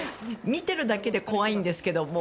見ているだけで怖いんですけど。